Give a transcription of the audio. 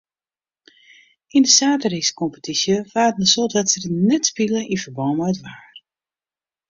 Yn de saterdeiskompetysje waarden in soad wedstriden net spile yn ferbân mei it waar.